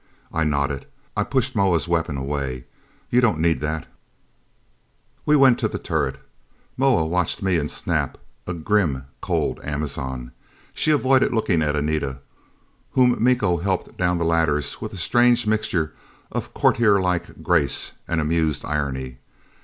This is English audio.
I nodded. I pushed Moa's weapon away. "You don't need that " We went to the turret. Moa watched me and Snap, a grim, cold Amazon. She avoided looking at Anita, whom Miko helped down the ladders with a strange mixture of courtierlike grace and amused irony.